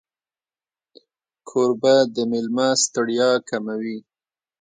کوربه د مېلمه ستړیا کموي.